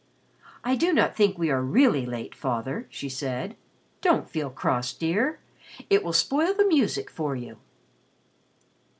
"I do not think we are really late, Father," she said. "Don't feel cross, dear. It will spoil the music for you."